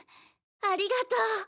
ありがとう！